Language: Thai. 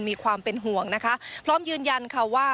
มีความเป็นห่วงนะคะพร้อมยืนยันค่ะว่า